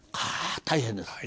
大変ですね。